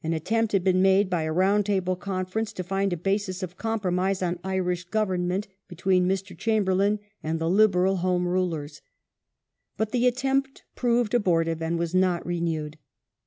526 DEMOCRACY AND EMPIRE [1885 had been made, by a round table conference, to find a basis of compromise on Irish Government between Mr. Chamberlain and the Liberal Home Rulei*s. But the attempt proved abortive and was not renewed.